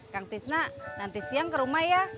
kang pisna nanti siang ke rumah ya